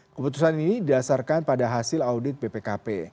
keputusan ini didasarkan pada hasil audit bpkp